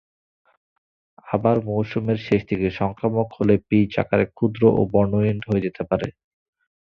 আবার, মৌসুমের শেষ দিকে সংক্রমণ হলে বীজ আকারে ক্ষুদ্র ও বর্ণহীন হতে পারে।